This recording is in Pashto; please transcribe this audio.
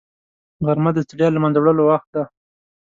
غرمه د ستړیا له منځه وړلو وخت دی